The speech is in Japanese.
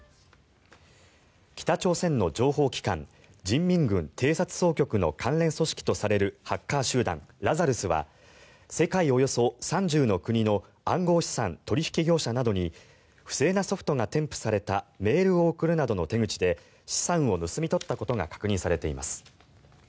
北朝鮮の情報機関人民軍偵察総局の関連組織とされるハッカー集団ラザルスは世界およそ３０の国の暗号資産取引業者などに不正なソフトが添付されたメールを送るなどの手口で資産を盗み取ったことが確認されています。